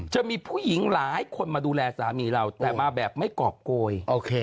จะมีผู้หญิงหลายคนมาดูแลสามีเราแต่มาแบบไม่กรอบโกยโอเค